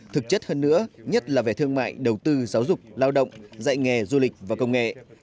thực chất hơn nữa nhất là về thương mại đầu tư giáo dục lao động dạy nghề du lịch và công nghệ